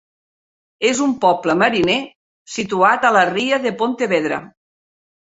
És un poble mariner situat a la ria de Pontevedra.